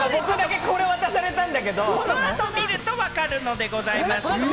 この後見ると分かるんでございます。